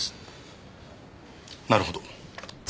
なるほど。